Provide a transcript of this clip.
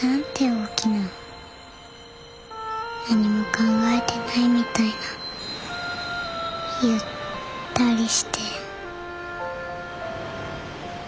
大きな何も考えてないみたいなゆったりして。